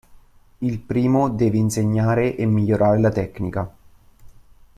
Il primo deve insegnare e migliorare la tecnica.